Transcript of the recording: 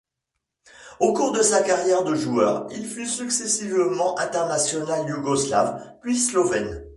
Au cours de sa carrière de joueur, il fut successivement international yougoslave, puis slovène.